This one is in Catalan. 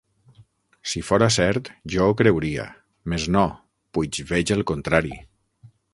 Si fora cert, jo ho creuria; mes no, puix veig el contrari.